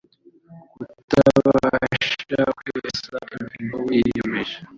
kutabasha kwesa imihigo wiyemeje